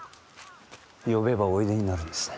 呼べばおいでになるんですね。